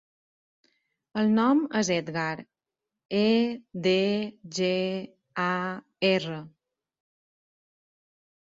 El nom és Edgar: e, de, ge, a, erra.